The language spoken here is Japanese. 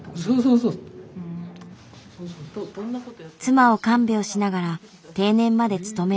妻を看病しながら定年まで勤め上げた。